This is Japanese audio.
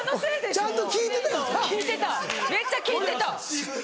ちゃんと聞いてたよな。